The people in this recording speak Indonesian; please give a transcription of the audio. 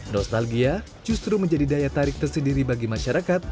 nostalgia justru menjadi daya tarik tersendiri bagi masyarakat